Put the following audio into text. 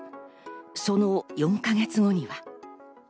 その４か月後には。